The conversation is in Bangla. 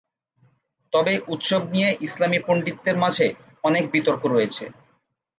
তবে উৎসব নিয়ে ইসলামি পণ্ডিতদের মাঝে অনেক বিতর্ক রয়েছে।